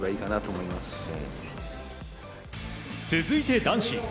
続いて男子。